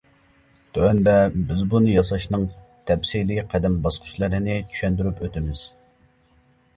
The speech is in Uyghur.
تۆۋەندە بىز بۇنى ياساشنىڭ تەپسىلىي قەدەم باسقۇچلىرىنى چۈشەندۈرۈپ ئۆتىمىز.